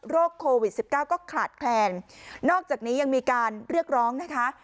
โควิด๑๙ก็ขาดแคลนนอกจากนี้ยังมีการเรียกร้องนะคะ